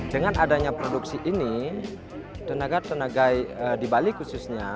dengan adanya produksi ini tenaga tenaga di bali khususnya